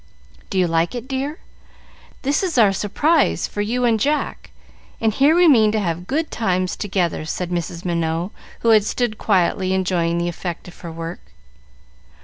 "Do you like it, dear? This is our surprise for you and Jack, and here we mean to have good times together," said Mrs. Minot, who had stood quietly enjoying the effect of her work.